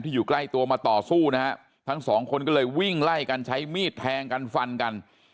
อยู่ใกล้ตัวมาต่อสู้นะฮะทั้งสองคนก็เลยวิ่งไล่กันใช้มีดแทงกันฟันกัน